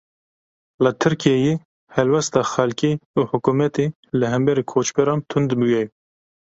Li Tirkiyeyê helwesta xelkê û hikûmetê li hemberî koçberan tund bûye.